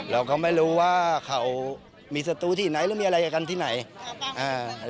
เราก็ไม่รู้ว่าเขามีศัตรูที่ไหนหรือมีอะไรกับกันที่ไหนอ่า